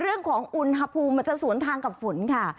เรื่องของอุณหภูมิมันจะสวนทางกับฝนค่ะ